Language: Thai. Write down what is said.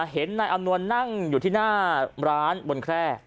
เห็นนายอำนวลนั่งอยู่ที่หน้าร้านบนแคร่